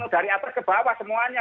dari atas ke bawah semuanya